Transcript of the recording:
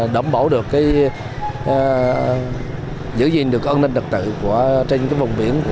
đảm bảo được giữ gìn được an ninh đặc tự